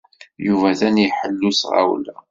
Yuba atan iḥellu s tɣawla.